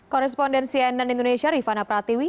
korresponden cnn indonesia rifana pratiwi